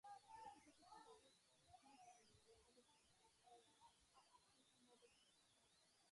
Superficial waters, forests, small gardens or agricultural areas are absent from Margareten.